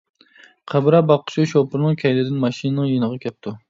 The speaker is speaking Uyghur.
قەبرە باققۇچى شوپۇرنىڭ كەينىدىن ماشىنىنىڭ يېنىغا كەپتۇ.